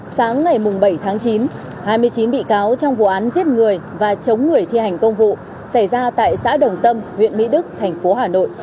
sáng ngày bảy tháng chín hai mươi chín bị cáo trong vụ án giết người và chống người thi hành công vụ xảy ra tại xã đồng tâm huyện mỹ đức thành phố hà nội